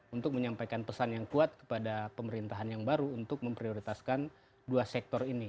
untuk menyampaikan pesan yang kuat kepada pemerintahan yang baru untuk memprioritaskan dua sektor ini